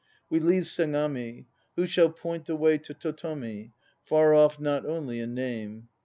We leave Sagami; who shall point the way To Totomi, far off not only in name?